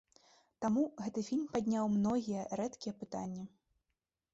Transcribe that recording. Таму гэты фільм падняў многія рэдкія пытанні.